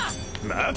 待て！